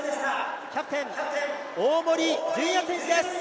キャプテン、大森准弥選手です。